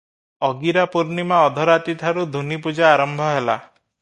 ଅଗିରାପୂର୍ଣ୍ଣିମା ଅଧରାତିଠାରୁ ଧୂନି ପୂଜା ଆରମ୍ଭ ହେଲା ।